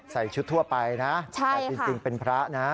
ใส่ชุดทั่วไปนะแต่จริงเป็นพระนะ